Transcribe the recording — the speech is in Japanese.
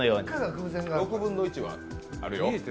偶然、６分の１はあるよ。